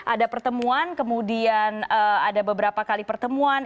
ada pertemuan kemudian ada beberapa kali pertemuan